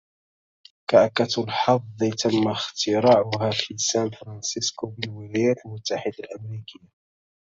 كعكة الحظ تم اختراعها في سان فرانسيسكو بالولايات المتحدة الأمريكية.